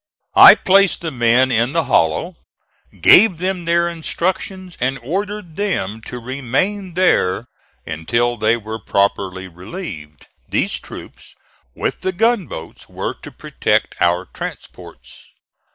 I placed the men in the hollow, gave them their instructions and ordered them to remain there until they were properly relieved. These troops, with the gunboats, were to protect our transports.